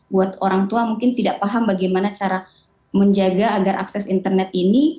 buat orang tua mungkin tidak paham bagaimana cara menjaga agar akses internet ini